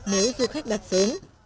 nếu du khách đặt sớm